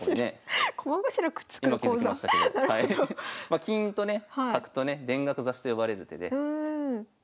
ま金とね角とね田楽刺しと呼ばれる手で。